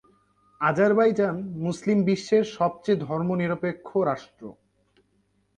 Azerbaijan মুসলিম বিশ্বের সবচেয়ে ধর্মনিরপেক্ষ রাষ্ট্র।